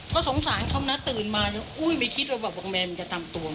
ก็สงสารคำนาจตื่นมาอุ้ยไม่คิดว่าบอกแมนมันจะตามตัวมัน